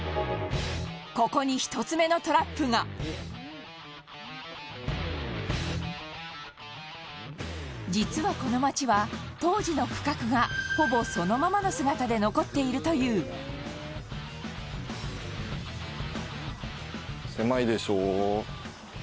ここに１つ目のトラップが実はこの町は、当時の区画がほぼそのままの姿で残っているという斎藤さん：狭いでしょ？